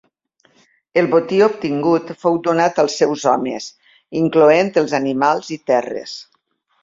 El botí obtingut fou donat als seus homes incloent els animals i terres.